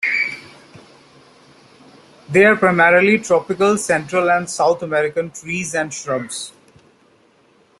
They are primarily tropical Central and South American trees and shrubs.